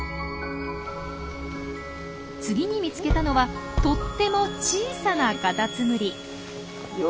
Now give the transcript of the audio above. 次に見つけたのはとっても小さなカタツムリ。